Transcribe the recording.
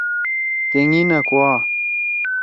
تینگی نہ کوا۔